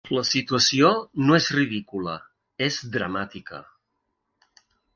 La situació no és ridícula, és dramàtica.